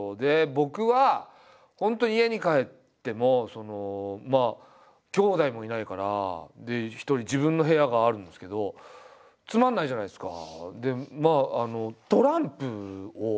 僕は本当家に帰ってもきょうだいもいないから一人自分の部屋があるんですけどつまんないじゃないですか。